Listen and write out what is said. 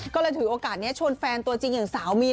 ก็เลยถือโอกาสนี้ชวนแฟนตัวจริงอย่างสามี